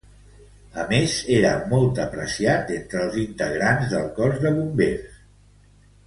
A més, era molt apreciat entre els integrants del Cos de Bombers.